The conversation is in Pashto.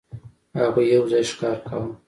هغوی یو ځای ښکار کاوه.